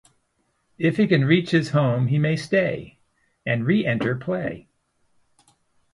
If he can reach his home he may stay, and re-enter play.